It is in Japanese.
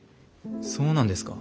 そうなんですか？